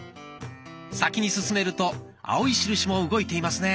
先に進めると青い印も動いていますね。